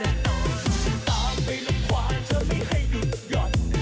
จะตามไปลงขวานเธอไม่ให้หยุดหย่อน